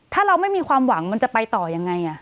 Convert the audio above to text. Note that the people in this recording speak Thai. ถ้าเราไม่มีความหวังมันจะไปต่อยังไง